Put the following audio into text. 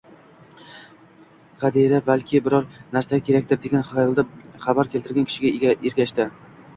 Qadira balki biror narsa kerakdir, degan xayolda xabar keltirgan kishiga ergashdi